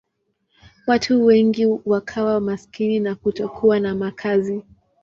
Watu wengi wakawa maskini na kutokuwa na makazi.